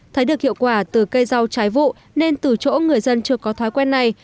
thấy được hiệu quả từ cây rau trái vụ nên từ chỗ người dân chưa có thói quen này